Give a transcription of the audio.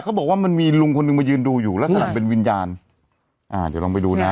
เขาบอกว่ามันมีลุงคนหนึ่งมายืนดูอยู่ลักษณะเป็นวิญญาณอ่าเดี๋ยวลองไปดูนะฮะ